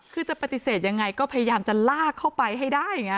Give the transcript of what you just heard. คือจะปฏิเสธยังไงก็พยายามจะลากเข้าไปให้ได้ไง